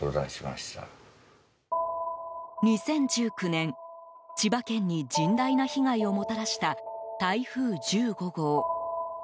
２０１９年千葉県に甚大な被害をもたらした台風１５号。